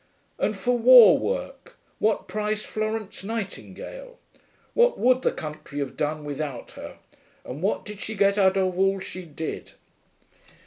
And, for war work, what price Florence Nightingale? What would the country have done without her, and what did she get out of all she did?'